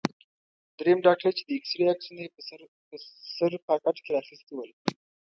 دریم ډاکټر چې د اېکسرې عکسونه یې په سر پاکټ کې را اخیستي ول.